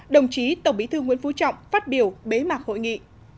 đồng chí tổng bí thư nguyễn phú trọng phát biểu bế mạc hội nghị